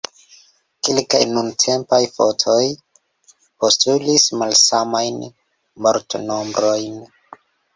Kelkaj nuntempaj fontoj postulis malsamajn mortnombrojn.